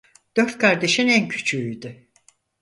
Dört kardeşin en küçüğüydü.